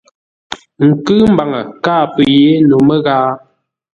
Ə nkʉ̂ʉ mbaŋə, káa pə́ yé no məghaa.